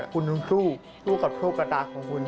คุณต้องสู้สู้กับโชคกระตาของคุณ